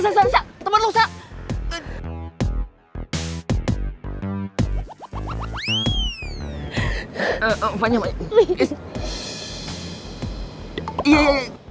harus temenin gue dong gimana sih